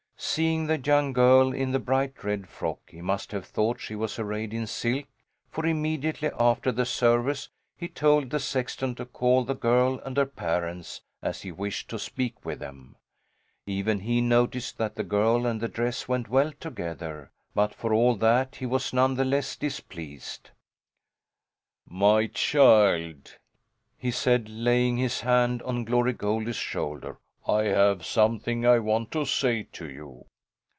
Seeing the young girl in the bright red frock he must have thought she was arrayed in silk, for immediately after the service he told the sexton to call the girl and her parents, as he wished to speak with them. Even he noticed that the girl and the dress went well together, but for all that he was none the less displeased. "My child," he said, laying his hand on Glory Goldie's shoulder, "I have something I want to say to you.